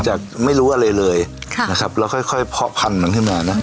จากไม่รู้อะไรเลยนะครับแล้วค่อยค่อยเพาะพันธุ์มันขึ้นมานะ